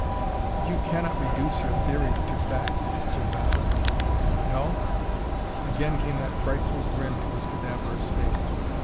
"But you cannot reduce your theory to fact, Sir Basil!" "No?" Again came that frightful grin to his cadaverous face.